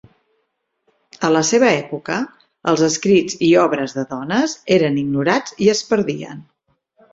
A la seva època els escrits i obres de dones eren ignorats i es perdien.